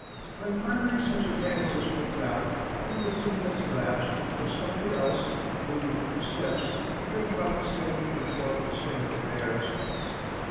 When finally such a tangle was straightened out, only a few minutes elapsed before somebody else, moving a few steps, would bring about the same deplorable state of affairs.